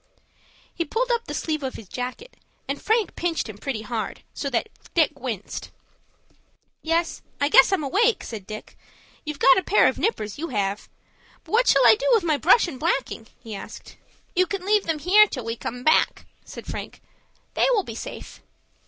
He pulled up the sleeve of his jacket, and Frank pinched him pretty hard, so that Dick winced. "Yes, I guess I'm awake," said Dick; "you've got a pair of nippers, you have. But what shall I do with my brush and blacking?" he asked. "You can leave them here till we come back," said Frank. "They will be safe."